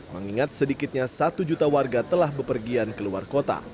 mengingat sedikitnya satu juta warga telah bepergian keluar kota